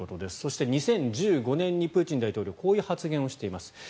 そして２０１５年にプーチン大統領こういう発言をしています。